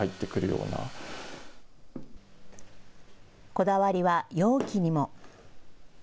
こだわりは容器にも。